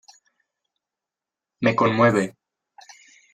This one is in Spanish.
me conmueve.